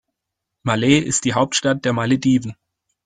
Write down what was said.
Malé ist die Hauptstadt der Malediven.